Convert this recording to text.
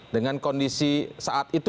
dengan kondisi saat itu